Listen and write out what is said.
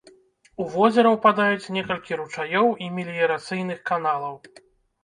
У возера ўпадаюць некалькі ручаёў і меліярацыйных каналаў.